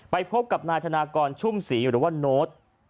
พบกับนายธนากรชุ่มศรีหรือว่าโน้ต